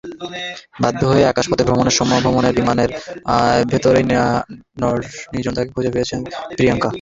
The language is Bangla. বাধ্য হয়ে আকাশপথে ভ্রমণের সময় বিমানের ভেতরেই নির্জনতাকে খুঁজে ফিরছেন প্রিয়াঙ্কা।